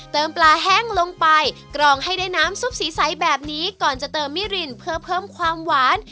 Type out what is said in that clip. ปลาแห้งลงไปกรองให้ได้น้ำซุปสีใสแบบนี้ก่อนจะเติมมิรินเพื่อเพิ่มความหวาน